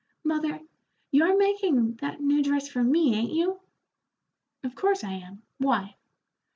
"Mother, you are making that new dress for me, ain't you?" "Of course I am; why?"